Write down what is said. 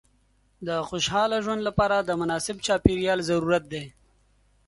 د خوشحاله ژوند لپاره د مناسب چاپېریال ضرورت دی.